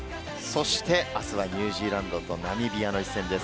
あすはニュージーランドとナミビアの一戦です。